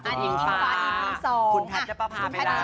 ตามมาติดติดกับอีกหลากหลายมากมายคอนเทนต์นะคะ